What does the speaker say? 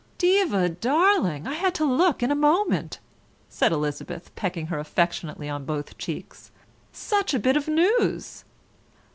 "Diva darling, I had to look in a moment," said Elizabeth, pecking her affectionately on both cheeks. "Such a bit of news!"